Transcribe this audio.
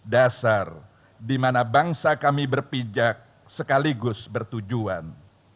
dasar dimana bangsa kami berpijak sekaligus bertujuan